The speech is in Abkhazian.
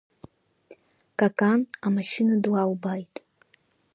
Какан амашьына длалбааит.